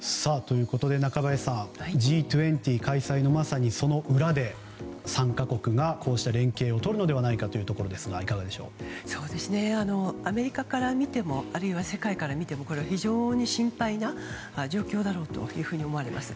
中林さんＧ２０開催の裏で３か国が連携を取るのではないかというところですがアメリカから見てもあるいは世界から見ても、非常に心配な状況だと思われます。